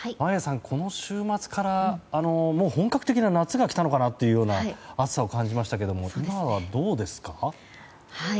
この週末から本格的な夏が来たのかなという暑さを感じましたが今はどうですか？